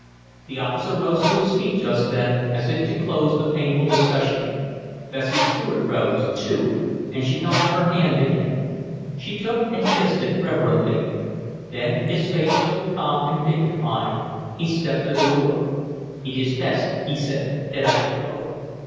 The officer rose to his feet just then, as if to close the painful discussion. Bessie Stuart rose, too, and she held out her hand to him. He took and kissed it reverently; then his face still calm and dignified, he stepped to the door. "It is best," he said, "that I should go."